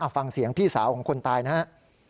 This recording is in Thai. ฟังเสียงพี่สาวของคนตายนะฮะ